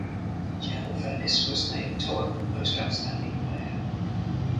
Janna Venice was named Tournament Most Outstanding Player.